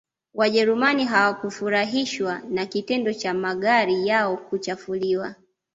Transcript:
wajerumani hawakufurahishwa na kitendo cha magari yao kuchafuliwa